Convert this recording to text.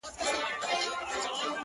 o اوس يې صرف غزل لولم ـ زما لونگ مړ دی ـ